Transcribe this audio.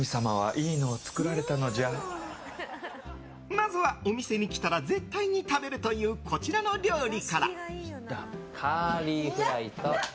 まずは、お店に来たら絶対に食べるというこちらの料理から。